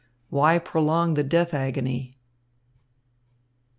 Why prolong the death agony?"